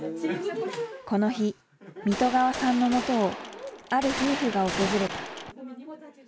この日水戸川さんのもとをある夫婦が訪れた。